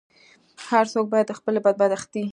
هر څوک باید د خپلې بدبختۍ.